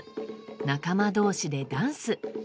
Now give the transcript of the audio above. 仲間同士でダンス。